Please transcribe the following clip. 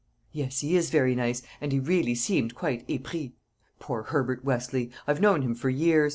"Yes, he is very nice, and he really seemed quite épris. Poor Herbert Westleigh! I've known him for years.